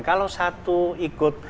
kalau satu ikut